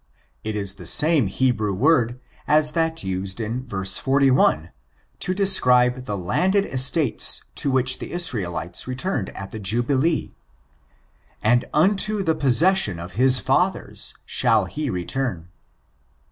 It is the same Hebrew word, as that used in v. 41, to describe the landed estates to which the Israelites returned at the Jubilee, '*and unto the possesion of his fathers shall he return."